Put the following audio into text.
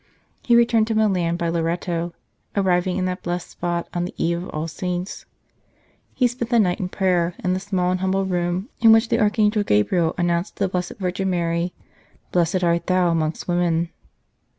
He returned to Milan by Loreto, arriving in that blessed spot on the Eve of All Saints. He spent the night in prayer in the small and humble room in which the Arch angel Gabriel announced to the Blessed Virgin Mary :" Blessed art thou amongst women."